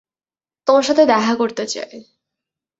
তোমার সাথে দেখা করতে চায়।